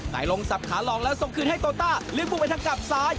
ไตลงสับขาหลองแล้วส่งคืนให้โต๊ะตาลิ้มปุ๊บไปทางกลับซ้าย